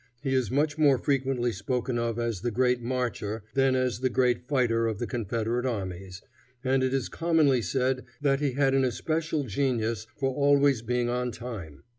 He is much more frequently spoken of as the great marcher than as the great fighter of the Confederate armies, and it is commonly said that he had an especial genius for being always on time.